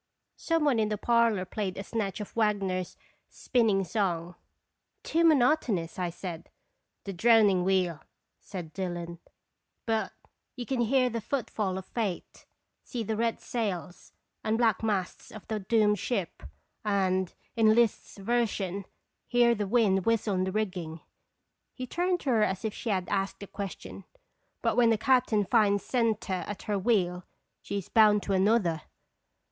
Some one in the par lor played a snatch of Wagner's "Spinning Song." " Too monotonous," I said. "The droning wheel," said Dillon; "but 244 "Stye Seconir OTarir toin0." you can hear the footfall of fate, see the red sails and black masts of the doomed ship, and, in Listz's version, hear the wind whistle in the rigging." He turned to her as if she had asked a question. "But when the captain finds Senta at her wheel, she is bound to another."